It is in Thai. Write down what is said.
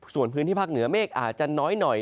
ส่วนพื้นที่ภาคเหนือเมฆอาจจะน้อยหน่อย